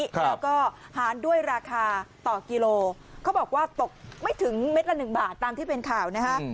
แล้วก็หารด้วยราคาต่อกิโลเขาบอกว่าตกไม่ถึงเม็ดละหนึ่งบาทตามที่เป็นข่าวนะฮะ